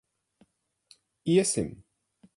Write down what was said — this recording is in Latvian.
Iesim.